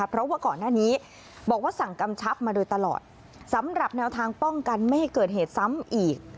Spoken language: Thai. เพราะว่าก่อนหน้านี้บอกว่าสั่งกำชับมาโดยตลอดสำหรับแนวทางป้องกันไม่ให้เกิดเหตุซ้ำอีก